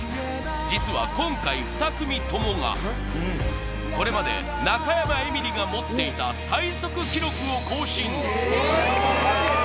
実は今回２組ともがこれまで中山エミリが持っていた最速記録を更新！